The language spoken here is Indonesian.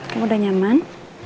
kamu udah nyaman